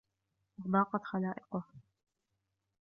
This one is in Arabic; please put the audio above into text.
وَضَاقَتْ خَلَائِقُهُ